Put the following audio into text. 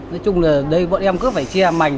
nói chung là đây bọn em cứ phải che mảnh